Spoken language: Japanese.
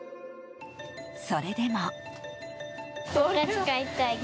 それでも。